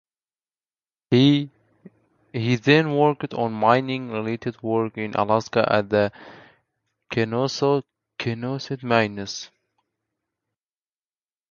He then worked on mining related work in Alaska at the Kennecott Mines.